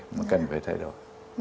mà cần phải thay đổi